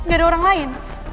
gak ada orang lain